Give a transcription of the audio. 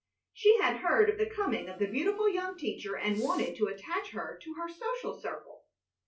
She had heard of the coming of the beautiful young teacher, and wanted to attach her to her social circle.